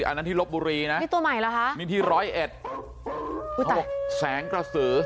อันนั้นที่ลบบุรีนะนี่ตัวใหม่เหรอคะนี่ที่ร้อยเอ็ดเขาบอกแสงกระสือ